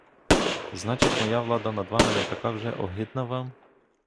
Значить, моя влада над вами не така вже огидна вам?